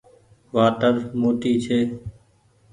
وآٽر موٽي ڇي۔